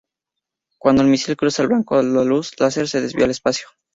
Cuando el misil cruza al blanco la luz láser se desvía al espacio.